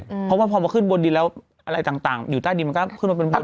เพราะว่าพอมาขึ้นบนดินแล้วอะไรต่างอยู่ใต้ดินมันก็ขึ้นมาเป็นพระ